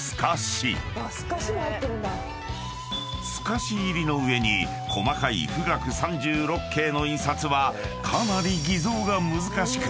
［すかし入りの上に細かい『冨嶽三十六景』の印刷はかなり偽造が難しく］